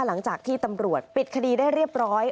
หลังจากที่ตำรวจปิดคดีได้เรียบร้อย